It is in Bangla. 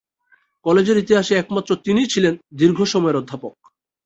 কলেজের ইতিহাসে একমাত্র তিনিই ছিলেন দীর্ঘ সময়ের অধ্যাপক।